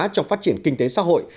trong phát triển kinh tế xã hội